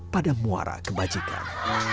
pada muara kebajikan